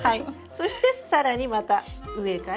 そして更にまた上から。